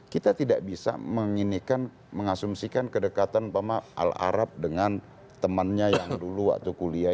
kita tidak bisa mengasumsikan kedekatan al arab dengan temannya yang dulu waktu kuliah